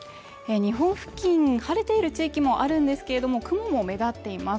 日本付近晴れている地域もあるんですけれども雲も目立っています。